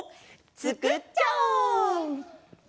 つくっちゃおう！